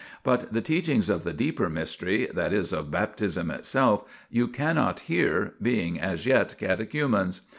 But the teachings of the deeper mystery, that is, of Baptism itself, you cannot hear, being as yet catechumens.